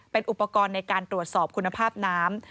เป็นอุปกรณ์ในการตรวจสอบคุณภาพน้ำ